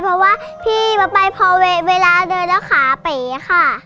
เพราะว่าพี่ป๊อบอายพอเวลาเดินตามขาไปค่ะ